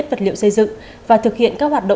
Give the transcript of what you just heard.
về cảnh đẹp và sự hiền hòa